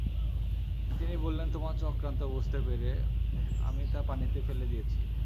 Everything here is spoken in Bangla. তিনি বললেনঃ তোমার চক্রান্ত বুঝতে পেরে আমি তা পানিতে ফেলে দিয়েছি।